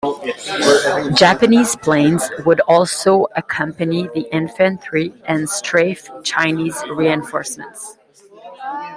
Japanese planes would also accompany the infantry and strafe Chinese reinforcements.